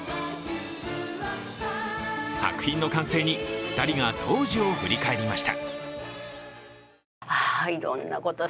作品の完成に、２人が当時を振り返りました。